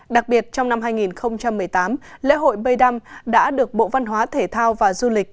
đặc biệt trong năm hai nghìn một mươi tám lễ hội baydam đã được bộ văn hóa thể thao và du lịch